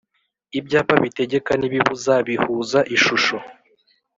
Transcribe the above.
Ibyapa bitegeka nibibuza bihuza ishusho